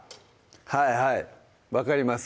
はいはい分かります